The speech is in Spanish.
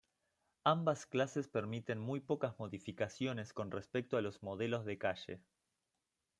Ambas clases permiten muy pocas modificaciones con respecto a los modelos de calle.